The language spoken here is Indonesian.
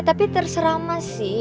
tapi terserah mas sih